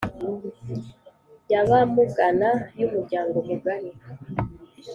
y abamugana y umuryango mugari